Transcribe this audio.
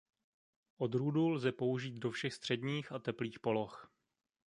Odrůdu lze použít do všech středních a teplých poloh.